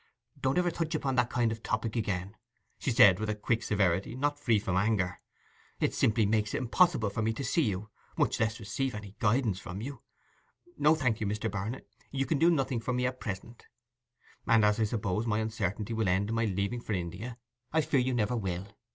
'Don't ever touch upon that kind of topic again,' she said, with a quick severity not free from anger. 'It simply makes it impossible for me to see you, much less receive any guidance from you. No, thank you, Mr. Barnet; you can do nothing for me at present; and as I suppose my uncertainty will end in my leaving for India, I fear you never will.